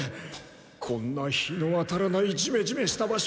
こんな日の当たらないジメジメした場所